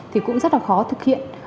thì cũng rất là khó thực hiện